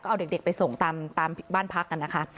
เอาเด็กไปส่งตามบ้านพักกันนะคะ